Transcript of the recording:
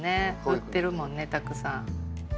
売ってるもんねたくさん。